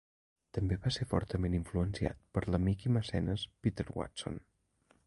També va ser fortament influenciat per l'amic i mecenes Peter Watson.